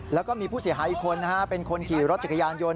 แล้วก็มีผู้เสียหายอีกคนเป็นคนขี่รถจักรยานยนต